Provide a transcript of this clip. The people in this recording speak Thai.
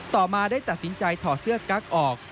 ต่อมาได้ตัดสินใจถอดเสื้อกั๊กออก